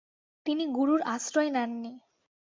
তিনি গুরুর আশ্রয় নেননি।